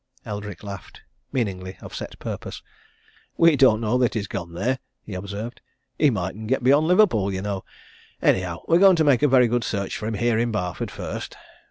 Eldrick laughed meaningly, of set purpose. "We don't know that he's gone there," he observed. "He mightn't get beyond Liverpool, you know. Anyhow, we're going to make a very good search for him here in Barford, first.